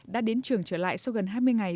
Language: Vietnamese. đã đến trường trở lại sau gần hai mươi ngày